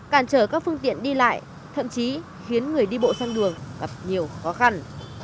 cản trở các phương tiện đi lại thậm chí khiến người đi bộ sang đường gặp nhiều khó khăn